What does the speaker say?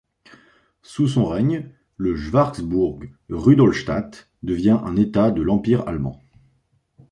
Sous son règne, le Schwarzbourg-Rudolstadt devient un État de l'Empire allemand.